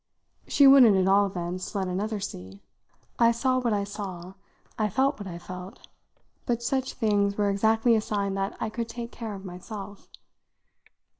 She wouldn't, at all events, let another see. I saw what I saw, I felt what I felt, but such things were exactly a sign that I could take care of myself.